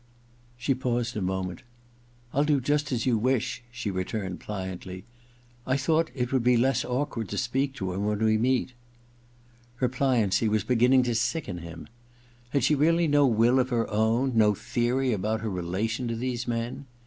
She paused a moment. * I'll do just as you wish,' she returned pliantly. *I thought it would be less awkward to speak to him when we meet.* 68 THE OTHER TWO iv Her pliancy was beginning to sicken him. Had she really no will of her own — no theory about her relation to these men